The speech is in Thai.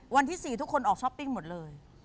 วันที่๔ทุกคนออกช้อปปิ้งหมดเลย